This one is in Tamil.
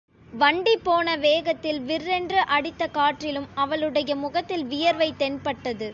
வண்டிபோன வேகத்தில் விர்ரென்று அடித்த காற்றிலும் அவளுடைய முகத்தில் வியர்வை தென்பட்டது.